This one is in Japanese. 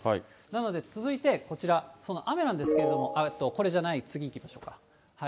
なので続いてこちら、その雨なんですけれども、これじゃない、次行きましょうか。